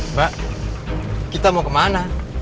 mbak kita mau kemana